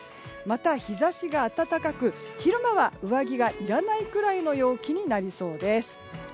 また、日差しが暖かく昼間は上着がいらないくらいの陽気になりそうです。